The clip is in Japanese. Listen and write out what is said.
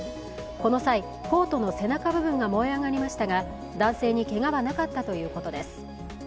この際、コートの背中部分が燃え上がりましたが男性にけがはなかったということです。